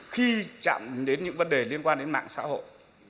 khi chạm đến những vấn đề liên quan đến mạng xã hội